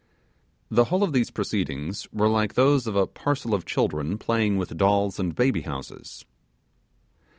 The whole of these proceedings were like those of a parcel of children playing with dolls and baby houses.